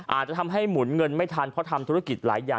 อาจจะทำให้หมุนเงินไม่ทันเพราะทำธุรกิจหลายอย่าง